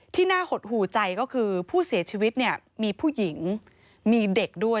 ที่น่าหดหูใจก็คือผู้เสียชีวิตเนี่ยมีผู้หญิงมีเด็กด้วย